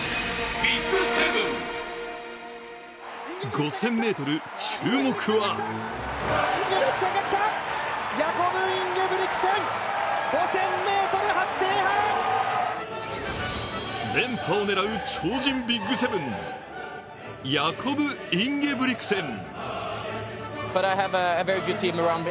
５０００ｍ注目は連覇を狙う超人ＢＩＧ７ヤコブ・インゲブリクセン。